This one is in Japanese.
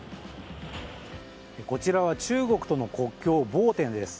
こちらは中国との国境ボーテンです。